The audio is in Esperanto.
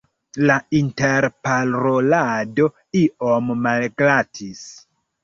La interparolado iom malglatis.